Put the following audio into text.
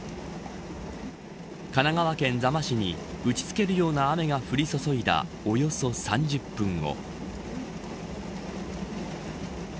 神奈川県座間市に打ちつけるような雨が降り注いだおよそ３０分後。